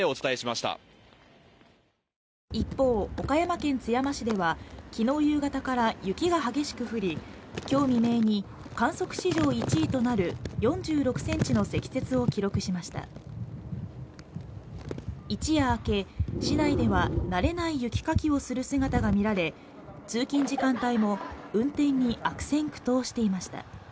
一方岡山県津山市ではきのう夕方から雪が激しく降りきょう未明に観測史上１位となる４６センチの積雪を記録しました一夜明け市内では慣れない雪かきをする姿が見られ通勤時間帯も運転に悪戦苦闘していました